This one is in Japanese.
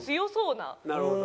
なるほど。